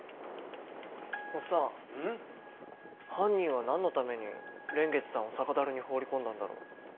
犯人は何のために蓮月さんを酒樽に放り込んだんだろう。